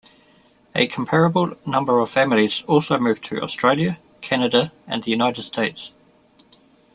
A comparable number of families also moved to Australia, Canada, and the United States.